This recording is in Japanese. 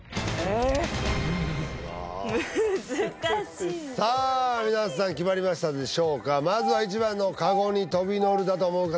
難しいさあ皆さん決まりましたでしょうかまずは１番のカゴに飛び乗るだと思う方挙手